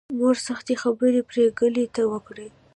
مور سختې خبرې پري ګلې ته وکړې